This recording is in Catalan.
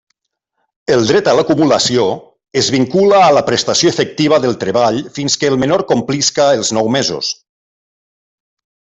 El dret a l'acumulació es vincula a la prestació efectiva del treball fins que el menor complisca els nou mesos.